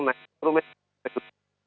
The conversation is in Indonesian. nah instrumennya itu